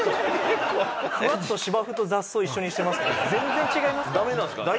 フワッと芝生と雑草一緒にしてますけど全然違いますから。